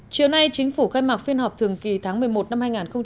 chiều nay chính phủ khai mạc phiên họp thường kỳ tháng một mươi một năm hai nghìn hai mươi